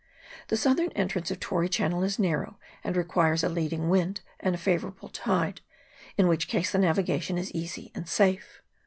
The southern entrance of Tory Chan nel is narrow, and requires a leading wind and a favourable tide, in which case the navigation is easy and safe.